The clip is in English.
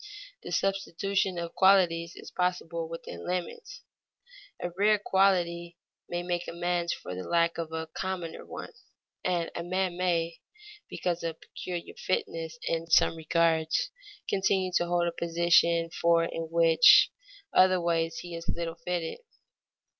The substitution of qualities is possible within limits; a rare quality may make amends for the lack of a commoner one, and a man may, because of peculiar fitness in some regards, continue to hold a position for which in other ways he is little fitted.